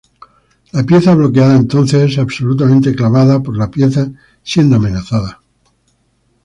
La pieza bloqueada entonces es absolutamente clavada por la pieza siendo amenazada.